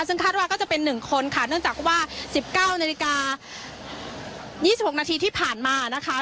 ซึ่งคาดว่าก็จะเป็น๑คนค่ะเนื่องจากว่า๑๙นาฬิกา๒๖นาทีที่ผ่านมานะคะ